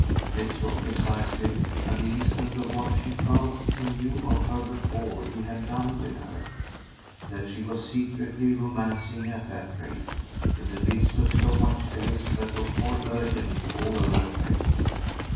This was precisely an instance of what she felt he knew of her before he had done with her: that she was secretly romancing at that rate, in the midst of so much else that was more urgent, all over the place.